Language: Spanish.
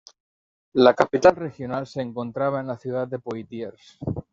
La capital regional se encontraba en la ciudad de Poitiers.